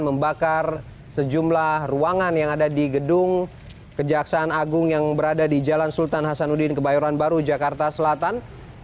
membakar sejumlah ruangan yang ada di gedung kejaksaan agung yang berada di jalan sultan hasanuddin kebayoran baru jakarta selatan